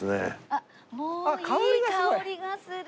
あっもういい香りがする。